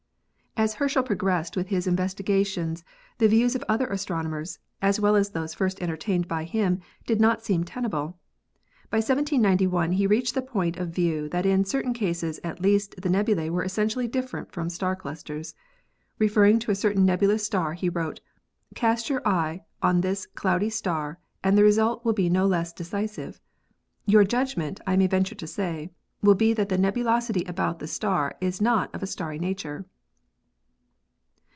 As Herschel progressed with his investigations the views of other astronomers, as well as those first entertained by him, did not seem tenable. By 1791 he reached the point of view that in certain cases at least the nebulae were essentially different from star clusters. Referring to a certain nebulous star, he wrote : "Cast your eye on this cloudy star and the result will be no less decisive. ... Your judgment, I may venture to say, will be that the nebulosity about the star is not of a starry nature."